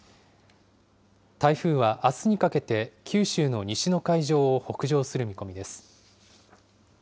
台風はあすにかけて、九州の西の海上を北上する見込みです。